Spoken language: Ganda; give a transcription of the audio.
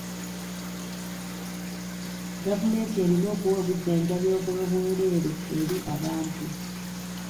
Gavumenti erina okuwa obujjanjabi obw'obwereere eri abantu.